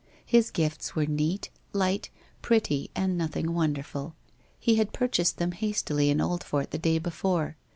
His gifts were neat, light, pretty, and nothing wonderful. He had purchased them hastily in Oldfort the day before.